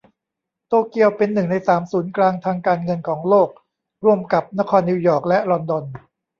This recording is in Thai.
โตเกียวเป็น หนึ่ง ใน สาม ศูนย์กลางทางการเงินของโลกร่วมกับนครนิวยอร์กและลอนดอน